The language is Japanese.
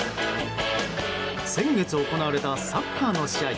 先月行われたサッカーの試合。